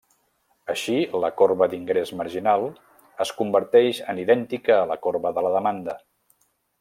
Així la corba d'ingrés marginal es converteix en idèntica a la corba de la demanda.